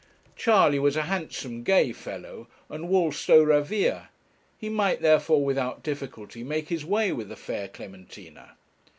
Charley was a handsome gay fellow, and waltzed au ravir; he might, therefore, without difficulty, make his way with the fair Clementina.